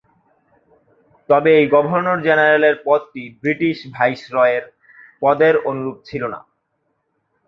তবে এই গভর্নর-জেনারেলের পদটি ব্রিটিশ ভাইসরয়ের পদের অনুরূপ ছিল না।